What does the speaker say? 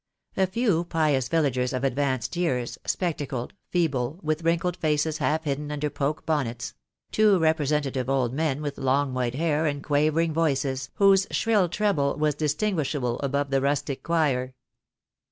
A few pious villagers of advanced years, spectacled, feeble, with wrinkled faces half hidden under poke bonnets: two repre sentative old men with long white hair and quavering voices, whose shrill treble was distinguishable above the rustic choir.